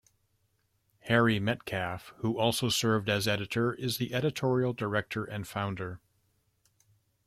Harry Metcalfe, who also served as editor, is the editorial director and founder.